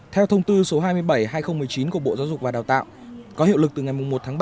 theo thông tư số hai mươi bảy hai nghìn một mươi chín của bộ giáo dục và đào tạo có hiệu lực từ ngày một ba hai nghìn hai mươi